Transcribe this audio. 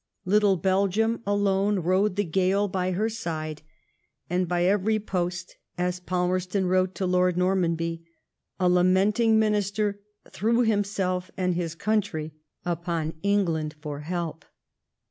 Little Belgium alone rode tbe gale by her side> and by every post, as Palmerston wrote to Lord Nor manby, a lamenting Minister threw himself and his country upon England for help.